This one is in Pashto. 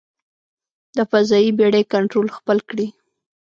د فضايي بېړۍ کنټرول خپل کړي.